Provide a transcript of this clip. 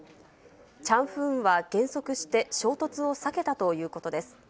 チャンフーンは減速して、衝突を避けたということです。